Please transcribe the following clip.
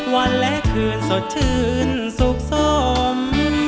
วันและคืนสดชื่นสุขสม